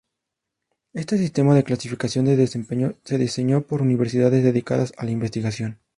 Este sistema de clasificación de desempeño se diseñó para universidades dedicadas a la investigación.